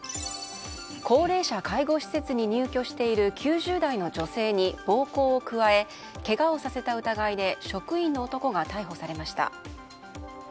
高齢者介護施設に入居している９０代の女性に暴行を加え、けがをさせた疑いで職員の男が逮捕されました。